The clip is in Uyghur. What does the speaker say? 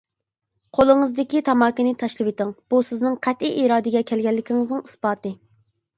قولىڭىزدىكى تاماكىنى تاشلىۋېتىڭ، بۇ سىزنىڭ قەتئىي ئىرادىگە كەلگەنلىكىڭىزنىڭ ئىسپاتى!